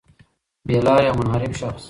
بې لاري او منحرف شخص